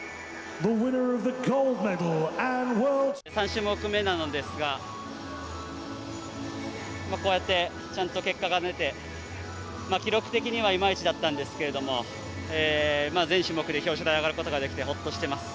３種目めなのですがこうやって、ちゃんと結果が出て記録的にはいまいちだったんですけれども全種目で表彰台上がることができてほっとしてます。